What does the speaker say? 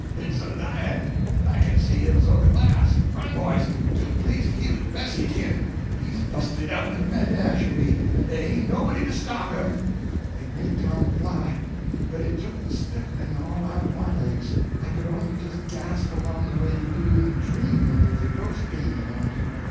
Hit's a lion; I kin see him thoo de glass! Run, boys; do please heel it de bes' you kin. He's bu'sted outen de menagerie, en dey ain't nobody to stop him!" [Illustration: "Run! Run fo' yo' life!"] It made Tom fly, but it took the stiffening all out of my legs. I could only just gasp along the way you do in a dream when there's a ghost gaining on you.